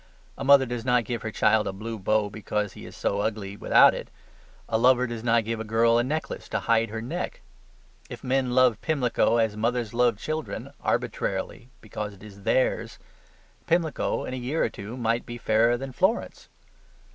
A mother does not give her child a blue bow because he is so ugly without it. A lover does not give a girl a necklace to hide her neck. If men loved Pimlico as mothers love children, arbitrarily, because it is THEIRS, Pimlico in a year or two might be fairer than Florence.